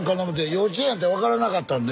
幼稚園やて分からなかったんで。